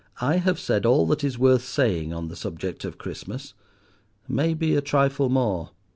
I have said all that is worth saying on the subject of Christmas—maybe a trifle more.